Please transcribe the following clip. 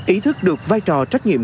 ý thức được vai trò trách nhiệm